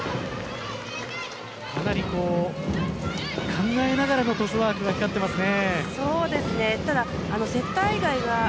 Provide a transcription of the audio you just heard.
かなり考えながらのトスワークが光っていますね。